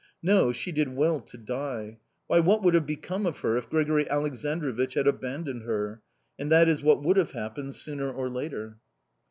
No, she did well to die! Why, what would have become of her if Grigori Aleksandrovich had abandoned her? And that is what would have happened, sooner or later.